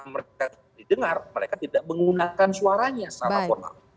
mereka didengar mereka tidak menggunakan suaranya secara formal